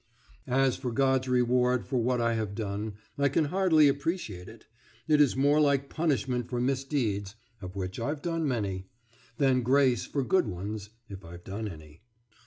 As for God's reward for what I have done, I can hardly appreciate it; it is more like punishment for misdeeds (of which I've done many) than grace for good ones (if I've done any).